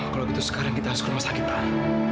kalau gitu sekarang kita harus ke rumah sakit aja